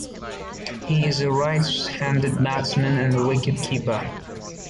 He is a right-handed batsman and wicket-keeper.